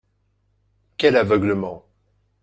Quel aveuglement